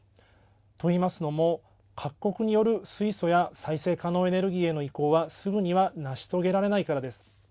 と言いますのも各国による水素や再生可能エネルギーへの移行はすぐには成し遂げられないからです。